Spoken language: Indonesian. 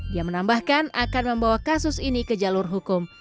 dia menambahkan akan membawa kasus ini ke jalur hukum